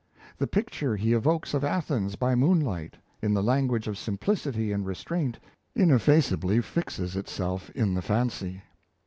The picture he evokes of Athens by moonlight, in the language of simplicity and restraint, ineffaceably fixes itself in the fancy.